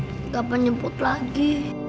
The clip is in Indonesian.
mama gak penjemput lagi